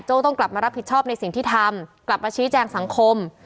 ต้องกลับมารับผิดชอบในสิ่งที่ทำกลับมาชี้แจงสังคม